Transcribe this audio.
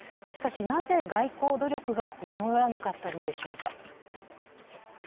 しかし、なぜ外交努力が実らなかったのでしょうか。